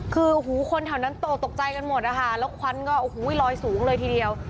คือหูคนแถวนั้นโตตกใจกันหมดนะคะแล้วควันก็โอ้โหลอยสูงเลยทีเดียว